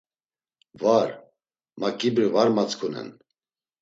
Var, ma ǩibri var matzǩunen.